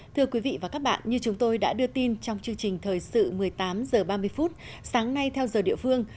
thưa quý vị và các bạn như chúng tôi đã đưa tin trong chương trình thời sự một mươi tám h ba mươi phút sáng nay theo giờ địa phương